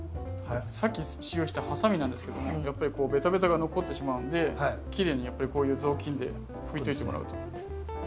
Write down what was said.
さっき使用したハサミなんですけどもやっぱりベタベタが残ってしまうんできれいにこういう雑巾で拭いといてもらうと。